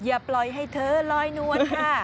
อย่าปล่อยให้เธอลอยนวลค่ะ